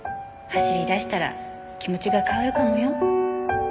走り出したら気持ちが変わるかもよ？